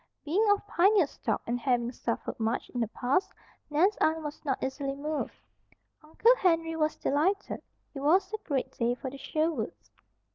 Being of pioneer stock, and having suffered much in the past, Nan's aunt was not easily moved. Uncle Henry was delighted. It was a great day for the Sherwoods.